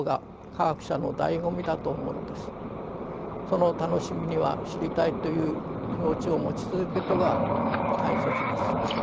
その楽しみには知りたいという気持ちを持ち続けることが大切です。